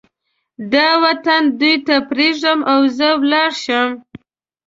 دا وطن دوی ته پرېږدم او زه ولاړ شم.